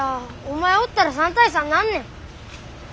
お前おったら３対３になんねん。